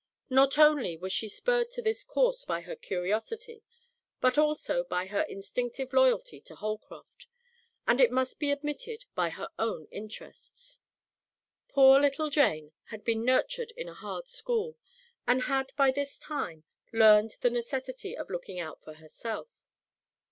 Not only was she spurred to this course by her curiosity, but also by her instinctive loyalty to Holcroft, and, it must be admitted, by her own interests. Poor little Jane had been nurtured in a hard school, and had by this time learned the necessity of looking out for herself.